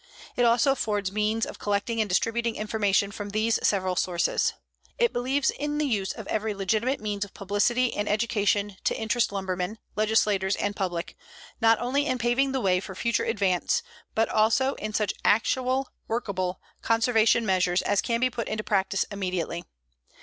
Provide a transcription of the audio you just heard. It also affords means of collecting and distributing information from these several sources. It believes in the use of every legitimate means of publicity and education to interest lumbermen, legislators and public, not only in paving the way for future advance, but also in such actual, workable, conservation measures as can be put into practice immediately.